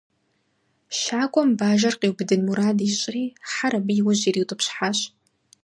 Щакӏуэм бажэр къиубыдын мурад ищӏри, хьэр абы и ужь ириутӏыпщхьащ.